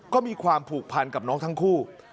ก็มีความผูกพันกับน้องทั้งคู่